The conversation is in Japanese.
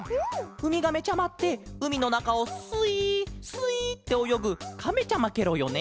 ウミガメちゃまってうみのなかをスイスイっておよぐカメちゃまケロよね？